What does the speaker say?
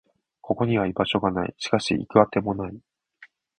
ここには居場所がない。しかし、行く当てもない。